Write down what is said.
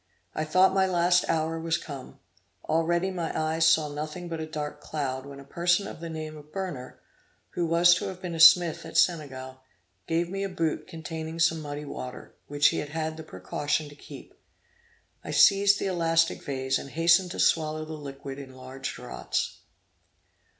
I thought my last hour was come. Already my eyes saw nothing but a dark cloud, when a person of the name of Berner, who was to have been a smith at Senegal, gave me a boot containing some muddy water, which he had had the precaution to keep. I seized the elastic vase, and hastened to swallow the liquid in large draughts.